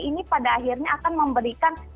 ini pada akhirnya akan memberikan